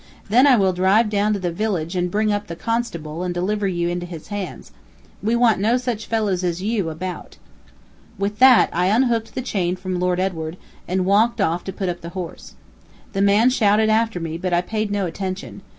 Then I will drive down to the village and bring up the constable, and deliver you into his hands. We want no such fellows as you about." With that, I unhooked the chain from Lord Edward, and walked off to put up the horse. The man shouted after me, but I paid no attention.